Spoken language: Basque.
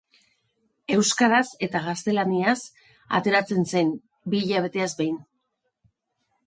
Euskaraz eta gaztelaniaz ateratzen zen, bi hilabetez behin.